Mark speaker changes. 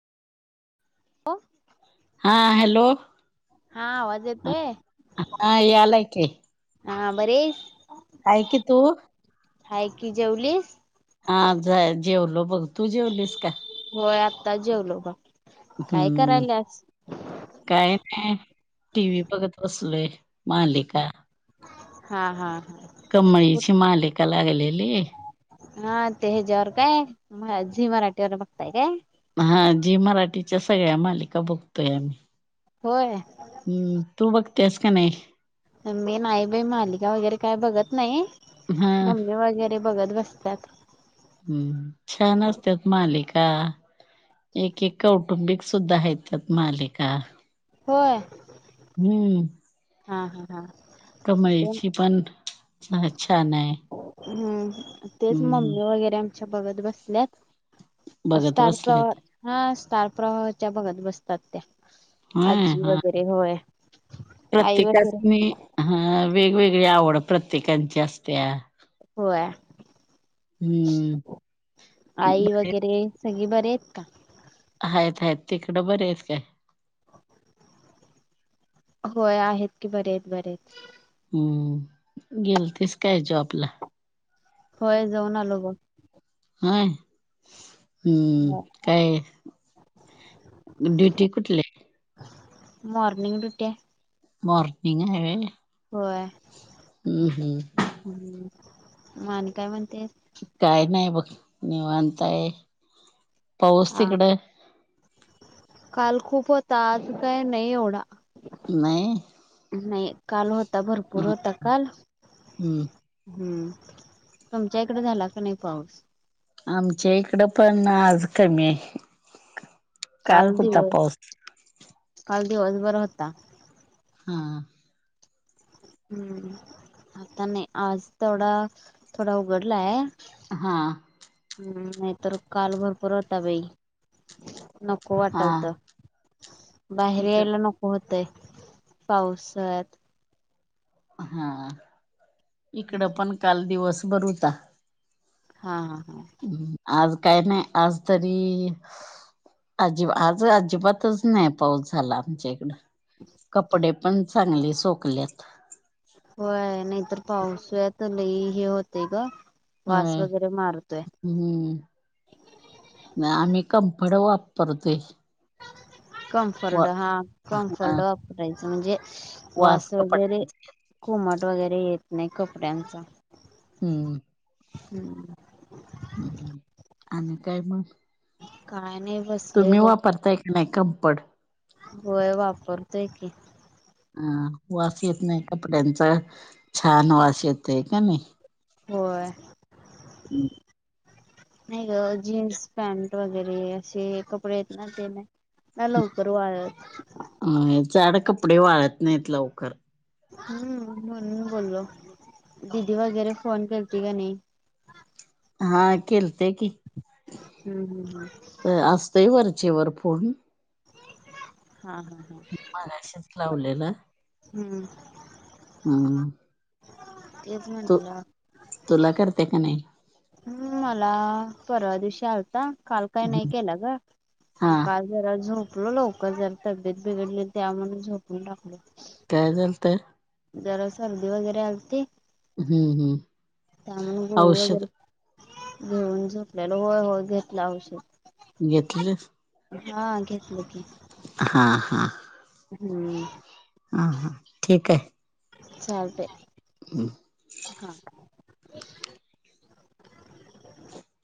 Speaker 1: हो
Speaker 2: हा, हॅलो.
Speaker 1: हा, आवाज येतोय?
Speaker 2: हा यायलाय कि.
Speaker 1: हा, बरी हाईस?
Speaker 2: हाय की तू?
Speaker 1: हाय कि जेवलीस?
Speaker 2: हा जाय जेवलो बघ, तू जेवलीस काय?
Speaker 1: होय आत्ताच जेवलो बघ. काय
Speaker 2: हम्म.
Speaker 1: करायल्यास
Speaker 2: काय नाय टी व्ही बघत बसलोय मालिका.
Speaker 1: हा, हा, ह.
Speaker 2: कमळीची मालिका लागलेली.
Speaker 1: हा ते हेज्यावर काय, म, झी मराठीवर बघताय काय?
Speaker 2: हा झी मराठीच्या सगळ्या मालिका बघतोय आम्ही.
Speaker 1: होय.
Speaker 2: हम्म, तू बघतेस काय नाही?
Speaker 1: मी नाही बाई, मालिका वगैरे काय बघत नाही,
Speaker 2: हा
Speaker 1: मम्मी वगैरे बघत बसत्यात.
Speaker 2: हम्म, छान असत्यात मालिका. एक एक कौटुंबिक सुद्धा आहेत त्यात मालिका.
Speaker 1: होय.
Speaker 2: हम्म.
Speaker 1: हा, हा, हा. ते
Speaker 2: कमळीची पण छान हाय.
Speaker 1: हम्म, तेच मम्मी वगैरे आमच्या बघत बसल्यात.
Speaker 2: बघत
Speaker 1: स्टार प्रवाह,
Speaker 2: बसलेत
Speaker 1: हा स्टार प्रवाहाच्या बगत बसतात त्या.
Speaker 2: होय
Speaker 1: अज्जी
Speaker 2: हा
Speaker 1: वगैरे होय, आई वगैरे.
Speaker 2: ह, वेगवेगळी आवड प्रत्येकांची असतीया.
Speaker 1: व्हयं,
Speaker 2: हम्म
Speaker 1: आई
Speaker 2: बरेच
Speaker 1: वगैरे सगळी बरी आहेत का?
Speaker 2: आहेत, आहेत तिकडं बरे आहेत काय?
Speaker 1: होय आहेत की, बरे आहेत, बरे आहेत.
Speaker 2: हम्म, गेलतीस काय जॉबला?
Speaker 1: होय जाऊन आलो बघ.
Speaker 2: व्हयं. हम्म काय, ड्युटी कुठली हाय?
Speaker 1: मॉर्निंग ड्युटी हाय.
Speaker 2: मॉर्निंग हाय व्हयं?
Speaker 1: व्हयं म आणि काय म्हणतेस?
Speaker 2: काय नाही बघ, निवांत हाय, पाऊस
Speaker 1: हा
Speaker 2: तिकडं?
Speaker 1: काल खूप होता आज काय नाही एवढा.
Speaker 2: नाही
Speaker 1: नाही काल होता भरपूर होता काल
Speaker 2: हम्म
Speaker 1: हम्म, तुमच्या इकड झाला काय नाही पाऊस?
Speaker 2: आमच्या इकड पण, आज कमी हाय.
Speaker 1: काल दिवस, काल दिवसभर होता.
Speaker 2: हा.
Speaker 1: हम् आता नाही आज तेवढा थोडा उघडलाय
Speaker 2: हा
Speaker 1: हम्म नाहीतर काल भरपूर होता बाई नको
Speaker 2: हा
Speaker 1: वाटालत बाहेर
Speaker 2: इकड
Speaker 1: यायला नको होतय पावसाळ्यात
Speaker 2: हा हा इकड पण काल दिवस भर होता.
Speaker 1: हा हा हा.
Speaker 2: आज काय नाही आज तरी अजिब आज अजिबातच नाही पाऊस झाला आमच्या इकडं.
Speaker 1: [unintelligible]
Speaker 2: कपडे पण चांगले सोकल्यात.
Speaker 1: हो नाहीतर पाऊस आहे तर लई हे होतय ग वास
Speaker 2: होय
Speaker 1: वगैरे मारतोय.
Speaker 2: हम्म आम्ही कंफड वापरतोय. वा
Speaker 1: कॉम्फर्ड हा
Speaker 2: अ
Speaker 1: कम्फर्ट वापरायच म्हणजे वास वगैरे कोमट वगैरे येत नाही कपड्यांचा.
Speaker 2: हम्म
Speaker 1: हम्म
Speaker 2: ह् आणि काय मग
Speaker 1: काय नाही बस
Speaker 2: तुम्ही वापरताय का नाही कम्फर्ट?
Speaker 1: होय वापरतोय की
Speaker 2: अ वास येत नाही कपड्यांचा छान वास येत आहे का नाही.
Speaker 1: होय.
Speaker 2: हम्म
Speaker 1: नाही ग जीन्स पॅन्ट वगैरे असे कपडे आहेत ना ते नाही ना लवकर वाळत.
Speaker 2: अ जाड कपडे वाळत नाहीत लवकर
Speaker 1: हम्म म्हणून बोललो दिदी वगैरे फोन केलती का नाही?
Speaker 2: हा केलती की.
Speaker 1: हम्म हम् हम्म
Speaker 2: असतय वरचे वर फोन
Speaker 1: हा हा.
Speaker 2: मगाशीच लावलेला
Speaker 1: हम्म
Speaker 2: हम्.
Speaker 1: तेच म्हटल.
Speaker 2: तुला करत्या का नाही?
Speaker 1: हम् मला परवा दिवशी आता काल काही नाही केलं ग
Speaker 2: हा
Speaker 1: काल. जरा झोपलो लवकर जरा तब्येत बिघडली त्या म्हण झोपून टाकलो
Speaker 2: काय झालत?
Speaker 1: जरा सर्दी वगैरे आलती
Speaker 2: हम्म हम्म
Speaker 1: त्यामुळे गोळी
Speaker 2: औषध
Speaker 1: वगैरे घेऊन झपलेलं होय होय घेतलं औषध.
Speaker 2: घेतलस
Speaker 1: हा घेतलं की
Speaker 2: हा हा.
Speaker 1: हम्म
Speaker 2: हां हां ठीक आहे.
Speaker 1: चालतय
Speaker 2: [inaudible]
Speaker 1: हा